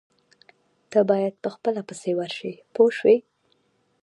تۀ باید په خپله پسې ورشې پوه شوې!.